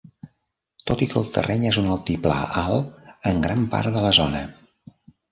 Tot i que el terreny és un altiplà alt en gran part de la zona.